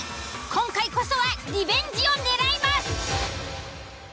今回こそはリベンジを狙います！